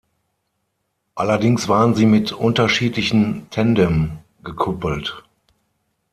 Allerdings waren sie mit unterschiedlichen Tendern gekuppelt.